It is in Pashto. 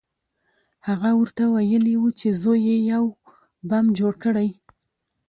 هغه ورته ویلي وو چې زوی یې یو بم جوړ کړی